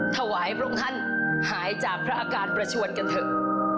ถวายพระองค์ท่านหายจากพระอาการประชวนกันเถอะ